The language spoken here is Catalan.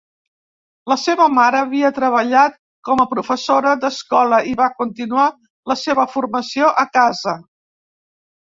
La seva mare havia treballat com a professora d"escola i va continuar la seva formació a casa.